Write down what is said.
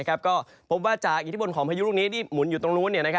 ก็พบว่าจากอิทธิพลของพายุลูกนี้ที่หมุนอยู่ตรงนู้น